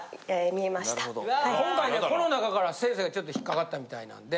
今回ねこの中から先生がちょっと引っかかったみたいなんで。